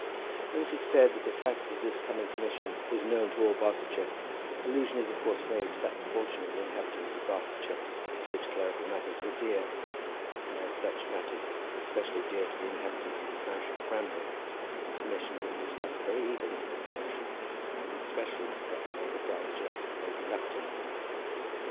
When it is said that the fact of this coming commission was known to all Barsetshire, allusion is of course made to that portion of the inhabitants of Barsetshire to which clerical matters were dear; and as such matters were specially dear to the inhabitants of the parish of Framley, the commission was discussed very eagerly in that parish, and was specially discussed by the Dowager Lady Lufton.